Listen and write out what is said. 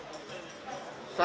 yang dilakukan sidang disiplin